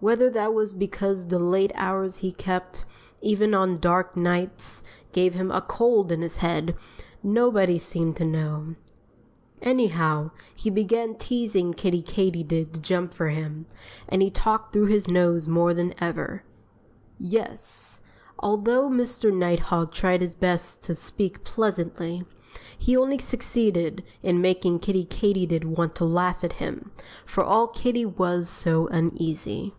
Whether that was because the late hours he kept, even on dark nights, gave him a cold in his head, nobody seemed to know. Anyhow, he began teasing Kiddie Katydid to jump for him and he talked through his nose more than ever. Yes! although Mr. Nighthawk tried his best to speak pleasantly, he only succeeded in making Kiddie Katydid want to laugh at him, for all Kiddie was so uneasy.